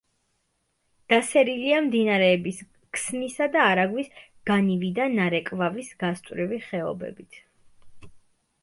დასერილია მდინარეების ქსნისა და არაგვის განივი და ნარეკვავის გასწვრივი ხეობებით.